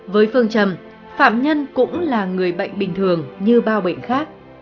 với phương trầm phạm nhân cũng là người bệnh bình thường như bao bệnh khác